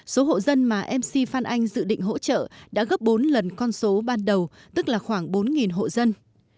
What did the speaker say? số hộ dân mà mc phan anh dự định hỗ trợ đã gấp bốn lần con số ban đầu tức là khoảng bốn hộ dân